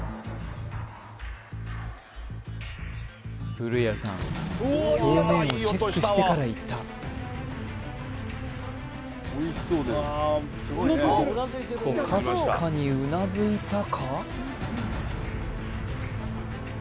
古屋さん表面をチェックしてからいったおっとかすかにうなずいたか？